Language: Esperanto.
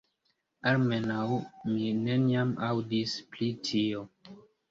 Almenaŭ mi neniam aŭdis pri tio.